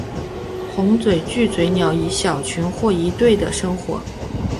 红嘴巨嘴鸟以小群或一对的生活。